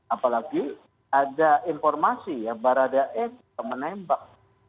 apalagi ada informasi ya barat dae tidak menembak